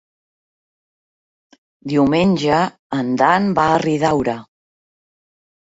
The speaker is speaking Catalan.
Diumenge en Dan va a Riudaura.